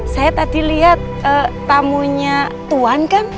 saya tadi liat tamunya tuhan kan